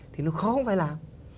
thì nó khó không phải làm